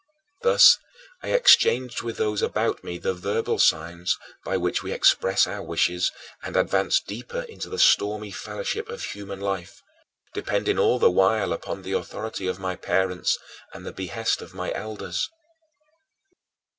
Thus I exchanged with those about me the verbal signs by which we express our wishes and advanced deeper into the stormy fellowship of human life, depending all the while upon the authority of my parents and the behest of my elders.